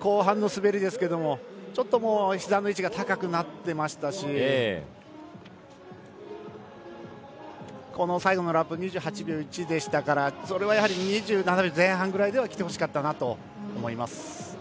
後半の滑りですけれどもひざの位置が高くなっていましたし最後のラップ２８秒１でしたからそれはやはり２７秒前半ぐらいでは来てほしかったなと思います。